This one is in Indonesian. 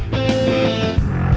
saya akan menemukan mereka